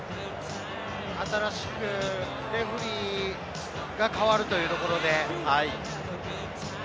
新しくレフェリーが変わるということで。